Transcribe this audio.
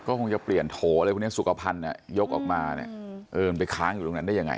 คงจะเปลี่ยนโถอะไรพวกนี้สุขภัณฑ์ยกออกมาเนี่ยเออมันไปค้างอยู่ตรงนั้นได้ยังไง